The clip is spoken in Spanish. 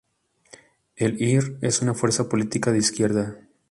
El Ir es una fuerza política de izquierda.